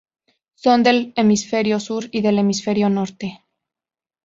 Son del hemisferio sur y del hemisferio norte.